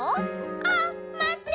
「あっまって。